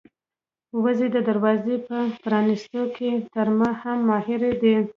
وزې د دروازې په پرانيستلو کې تر ما هم ماهرې دي.